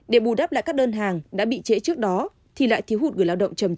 để bù đắp lại các đơn hàng đã bị trễ trước đó thì lại thiếu hụt người lao động trầm trọng